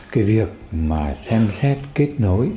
cái việc mà xem xét kết nối